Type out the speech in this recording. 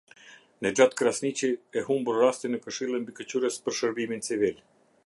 Nexhat Krasniqi, e humbur rastin në Këshillin Mbikëqyrës për Shërbimin Civil